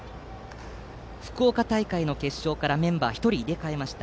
福岡大会の決勝からメンバーを１人入れ替えました。